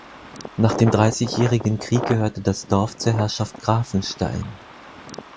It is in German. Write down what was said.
Nach dem Dreißigjährigen Krieg gehörte das Dorf zur Herrschaft Grafenstein.